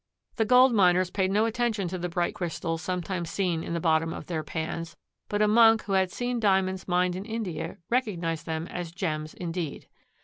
The gold miners paid no attention to the bright crystals sometimes seen in the bottoms of their pans, but a monk who had seen Diamonds mined in India recognized them as gems indeed.